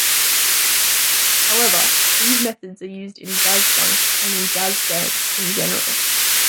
However, these methods are used in jazz-funk and in jazz dance in general.